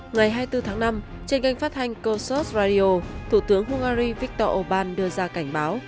ngày hai mươi bốn tháng năm trên kênh phát hành kosot radio thủ tướng hungary viktor orbán đưa ra cảnh báo